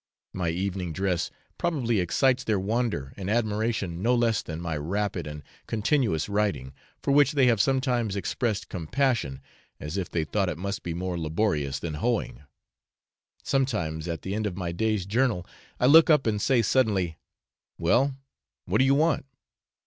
My evening dress probably excites their wonder and admiration no less than my rapid and continuous writing, for which they have sometimes expressed compassion, as if they thought it must be more laborious than hoeing; sometimes at the end of my day's journal I look up and say suddenly, 'Well, what do you want?'